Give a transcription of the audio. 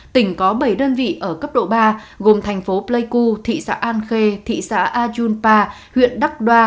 tỉnh có bảy đơn vị ở cấp độ ba gồm thành phố pleiku thị xã an khê thị xã a jun pa huyện đắk đoa